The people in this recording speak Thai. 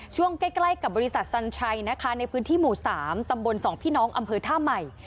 ช่วงใกล้กับบริษัทสัญชัยนะคะในพื้นที่หมู่๓ตำบล๒พี่น้องอำเภอท่าใหม่